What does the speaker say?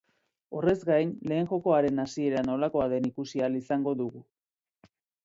Horrez gain, lehen jokoaren hasiera nolakoa den ikusi ahal izango dugu.